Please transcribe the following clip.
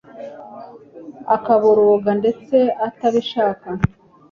akaboroga ndetse atabishaka